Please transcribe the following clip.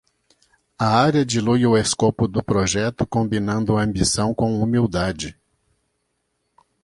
A área dilui o escopo do projeto, combinando ambição com humildade.